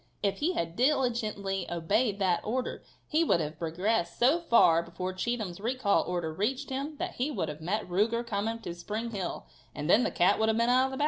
If he had diligently obeyed that order he would have progressed so far before Cheatham's recall order reached him that he would have met Ruger coming to Spring Hill, and then the cat would have been out of the bag.